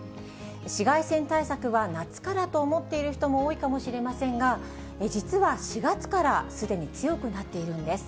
紫外線対策は夏からと思っている人も多いかもしれませんが、実は４月からすでに強くなっているんです。